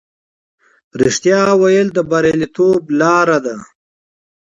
رښتیا ویل د بریالیتوب لاره ده.